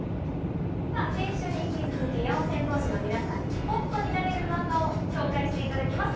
先週に引き続き、四千頭身の皆さんに、ほっとになれるマンガを紹介していただきます。